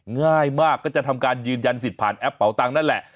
ง่ายมากก็จะทำการยืนยันสิทธิ์ผ่านแอปเป่าตังค์นั่นแหละ